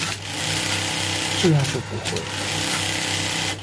這樣就不會